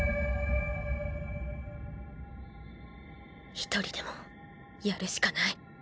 一人でもやるしかない。